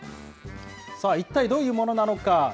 さあ、一体どういうものなのか。